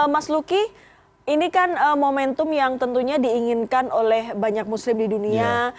mas lucky ini kan momentum yang tentunya diinginkan oleh banyak muslim di dunia